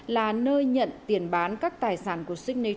là nơi nhận tiền bán các tài sản của st nature bank sau này